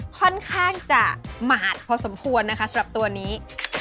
ค่อนข้างจะหมาดพอสมควรนะคะสำหรับตัวนี้